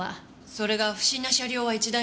それが不審な車両は１台も。